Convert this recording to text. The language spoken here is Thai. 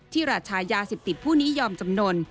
ราชายาเสพติดผู้นี้ยอมจำนวน